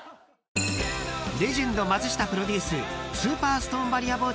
［レジェンド松下プロデューススーパーストーンバリア